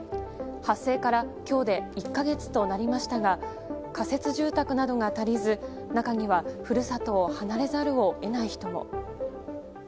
発生から今日で１か月となりましたが仮設住宅などが足りず中には故郷を離れざるを得ない人も。